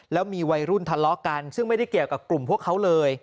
แล้วมีวัยรุ่นทะเลาะกันซึ่งไม่ได้เกี่ยวกับกลุ่มพวกเขาเลย